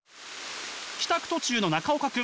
帰宅途中の中岡君。